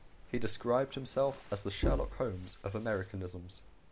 He described himself as "the Sherlock Holmes of Americanisms".